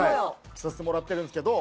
着させてもらってるんですけど。